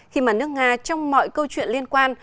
khi mà nước nga trong mọi câu chuyện liên quan